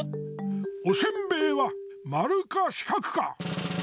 おせんべいはまるかしかくか。